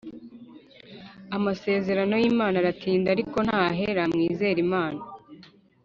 Amasezerano y’imana aratinda ariko ntahera mwizere imana